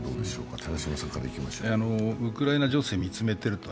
ウクライナ情勢を見つめていると、